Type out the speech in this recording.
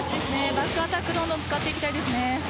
バックアタックどんどん使っていきたいですね。